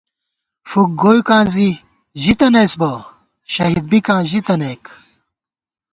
فُک گوئیکاں زی ژِی تنَئیس بہ ، شہید بِکان ژِتَنَئیک